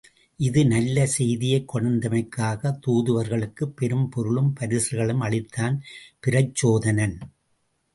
இந்த நல்ல செய்தியைக் கொணர்ந்தமைக்காகத் தூதுவர்களுக்குப் பெரும் பொருளும் பரிசில்களும் அளித்தான் பிரச்சோதனன்.